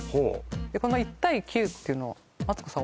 この１：９っていうのマツコさん